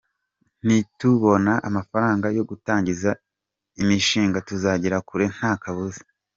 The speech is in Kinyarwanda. Nitubona amafaranga yo gutangiza imishinga tuzagera kure nta kabuza”.